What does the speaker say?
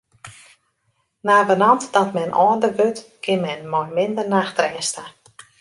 Navenant dat men âlder wurdt, kin men mei minder nachtrêst ta.